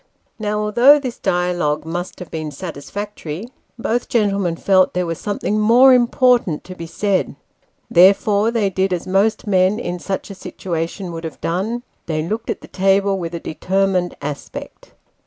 ' Now, although this dialogue must have been satisfactory, both gentlemen felt there was something more important to be said; therefore they did as most men in such a situation would have done they looked at the table with a determined aspect.